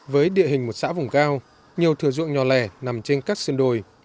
với địa hình một xã vùng cao nhiều thừa ruộng nhò lẻ nằm trên các xương đồi